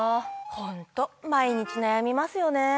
ホント毎日悩みますよね。